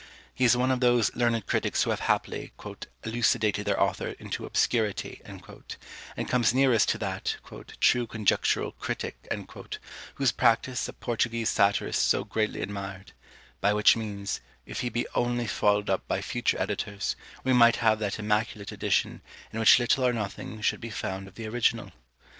He is one of those learned critics who have happily "elucidated their author into obscurity," and comes nearest to that "true conjectural critic" whose practice a Portuguese satirist so greatly admired: by which means, if he be only followed up by future editors, we might have that immaculate edition, in which little or nothing should be found of the original!